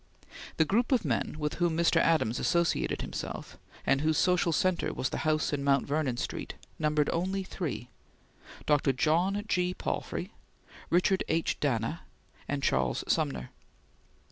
The group of men with whom Mr. Adams associated himself, and whose social centre was the house in Mount Vernon Street, numbered only three: Dr. John G. Palfrey, Richard H. Dana, and Charles Sumner.